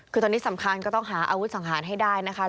คือตอนนี้สำคัญก็ต้องหาอาวุธสังหารให้ได้นะคะ